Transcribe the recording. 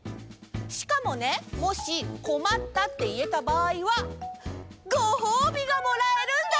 しかもねもし「こまった」っていえたばあいはごほうびがもらえるんだ！